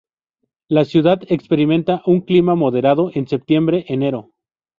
La ciudad experimenta un clima moderado en septiembre-enero.